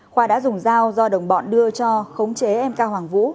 khoa đã dùng dao do đồng bọn đưa cho khống chế em cao hoàng vũ